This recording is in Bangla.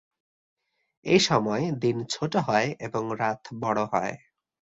এসময় দিন ছোট হয় এবং রাত বড় হয়।